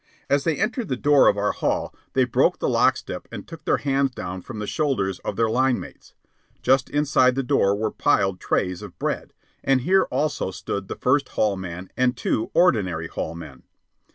As they entered the door of our hall, they broke the lock step and took their hands down from the shoulders of their line mates. Just inside the door were piled trays of bread, and here also stood the First Hall man and two ordinary hall men.